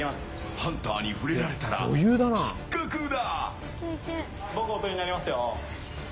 ハンターに触れられたら失格だ。